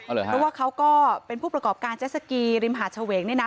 เพราะว่าเขาก็เป็นผู้ประกอบการเจสสกีริมหาดเฉวงเนี่ยนะ